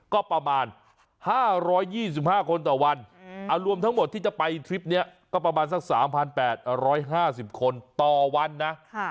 ก็ประมาณ๕๒๕คนต่อวันรวมทั้งหมดที่จะไปทริปนี้ก็ประมาณสัก๓๘๕๐คนต่อวันนะ